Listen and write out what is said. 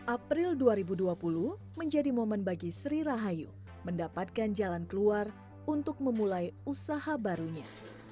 april dua ribu dua puluh menjadi momen bagi sri rahayu mendapatkan jalan keluar untuk memulai usaha barunya